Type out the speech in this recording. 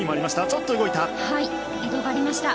ちょっと動いた。